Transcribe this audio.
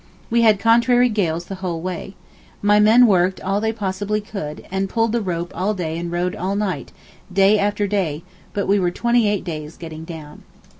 We had contrary gales the whole way. My men worked all they possibly could, and pulled the rope all day and rowed all night, day after day—but we were twenty eight days getting down.